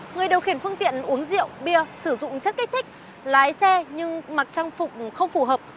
người điều khiển phương tiện uống rượu bia sử dụng chất kích thích lái xe nhưng mặc trang phục không phù hợp